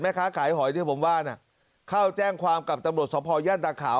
ค้าขายหอยที่ผมว่าน่ะเข้าแจ้งความกับตำรวจสภย่านตาขาว